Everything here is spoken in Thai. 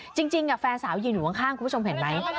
จริงแฟนสาวยืนอยู่ข้างคุณผู้ชมเห็นไหม